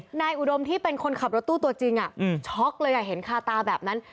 นายอุดมที่เป็นคนขับรถตู้ตัวจริงช็อกเลยเห็นคาตาแบบนั้น